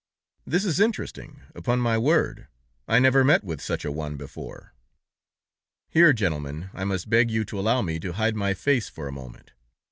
This is interesting, upon my word! I never met with such a one before!' "Here, gentlemen, I must beg you to allow me to hide my face for a moment.